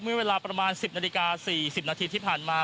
เมื่อเวลาประมาณ๑๐นาฬิกา๔๐นาทีที่ผ่านมา